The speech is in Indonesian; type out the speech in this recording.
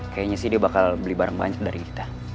kayaknya sih dia bakal beli barang banyak dari kita